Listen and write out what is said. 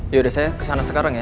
yaudah saya kesana sekarang ya